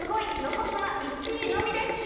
残すは１位のみです。